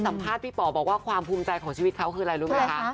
สัมภาษณ์พี่ป๋อบอกว่าความภูมิใจของชีวิตเขาคืออะไรรู้มั้ยคะ